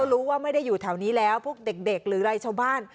รู้ว่าไม่ได้อยู่แถวนี้แล้วพวกเด็กหรืออะไรชาวบ้าน